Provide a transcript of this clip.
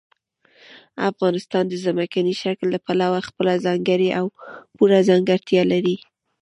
افغانستان د ځمکني شکل له پلوه خپله ځانګړې او پوره ځانګړتیا لري.